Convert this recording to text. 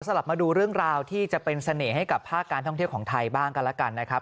กลับมาดูเรื่องราวที่จะเป็นเสน่ห์ให้กับภาคการท่องเที่ยวของไทยบ้างกันแล้วกันนะครับ